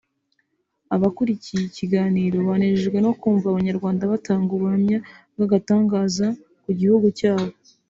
Abakurikiye ikiganiro banejejwe no kumva Abanyarwanda batanga ubuhamya bw’agatangaza ku gihugu cyabo